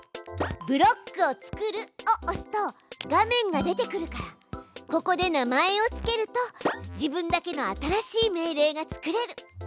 「ブロックを作る」を押すと画面が出てくるからここで名前を付けると自分だけの新しい命令が作れる。